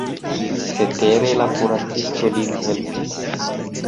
Cetere la kuracisto lin helpis.